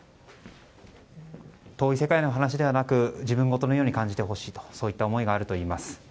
遠い世界の話ではなく自分ごとのように感じてほしいそういった思いがあるといいます。